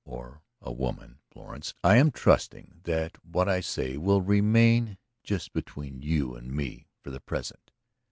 Or in a woman, Florence. I am trusting that what I say will remain just between you and me for the present.